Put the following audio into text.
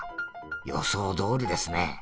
予想どおりですね。